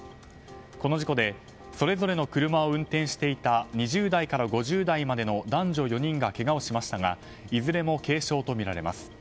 この事故でそれぞれの車を運転していた２０代から５０代までの男女４人がけがをしましたがいずれも軽傷とみられます。